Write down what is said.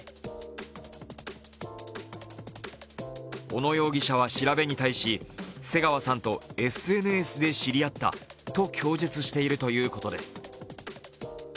小野容疑者は調べに対し、瀬川さんとＳＮＳで知り合ったと供述しているということです。